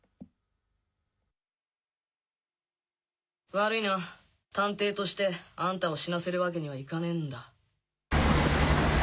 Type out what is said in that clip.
悪いな探偵としてあんたを死なせるわけにはいかねえんだ。